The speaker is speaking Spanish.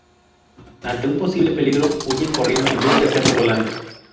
Ante un posible peligro, huyen corriendo en vez de hacerlo volando.